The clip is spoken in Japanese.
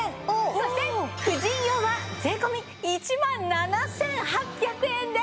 そして婦人用は税込１万７８００円です！